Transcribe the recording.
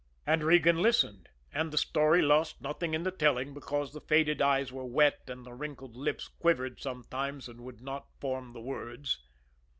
And Regan listened and the story lost nothing in the telling because the faded eyes were wet, and the wrinkled lips quivered sometimes, and would not form the words.